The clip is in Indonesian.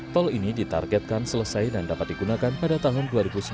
tol ini ditargetkan selesai dan dapat digunakan pada tahun dua ribu sembilan belas